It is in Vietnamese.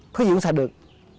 thứ gì cũng xảy được